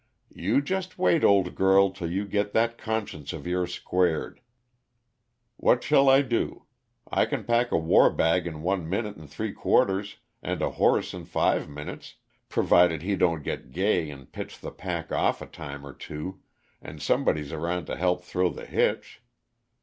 "You just wait, old girl, till you get that conscience of yours squared! What shall I do? I can pack a war bag in one minute and three quarters, and a horse in five minutes provided he don't get gay and pitch the pack off a time or two, and somebody's around to help throw the hitch.